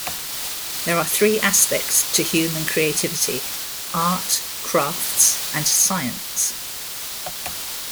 There are three aspects to human creativity - Art, Crafts, and Science.